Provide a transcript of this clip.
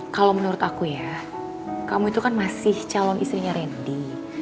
kalau menurut aku ya kamu itu kan masih calon istrinya randy